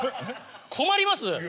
困ります